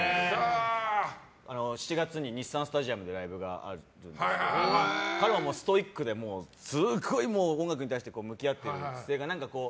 ７月に日産スタジアムでライブがあったんですけど彼はストイックですごい音楽に対して向き合ってる姿勢が。